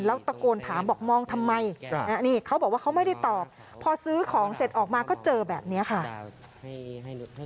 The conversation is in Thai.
แล้วตะโกนถามบอกมองทำไมนี่เขาบอกว่าเขาไม่ได้ตอบพอซื้อของเสร็จออกมาก็เจอแบบนี้ค่ะ